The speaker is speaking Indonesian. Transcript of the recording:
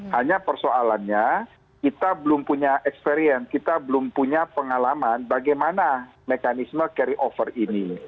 hanya persoalannya kita belum punya experience kita belum punya pengalaman bagaimana mekanisme carry over ini